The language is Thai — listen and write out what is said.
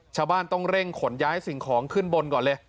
ชาวบ้านต้องเร่งขนย้ายสิ่งของขึ้นบนก่อนเลย